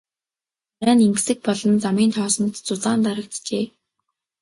Царай нь энгэсэг болон замын тоосонд зузаан дарагджээ.